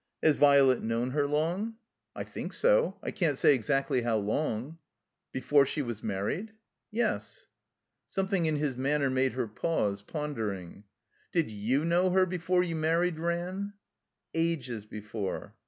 "Has Vi'let known her long?" "I think so. I can't say exactly how long." 182 THE COMBINED MAZE "Before she was married?" "Yes." Something in his manner made her patise, pon dering. "Did you know her before you married, Ran?" "Ages before."